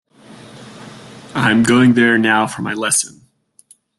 I am going there now for my lesson.